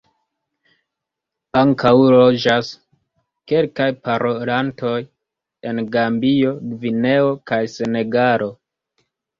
Ankaŭ loĝas kelkaj parolantoj en Gambio, Gvineo kaj Senegalo.